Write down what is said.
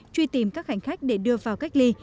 truy tìm các hành khách để đưa vào cách ly